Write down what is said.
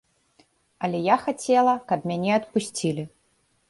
Але я хацела, каб мяне адпусцілі.